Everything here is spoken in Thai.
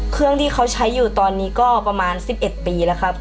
เครื่องที่เขาใช้อยู่ตอนนี้ก็ประมาณ๑๑ปีแล้วครับ